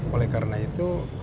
oleh karena itu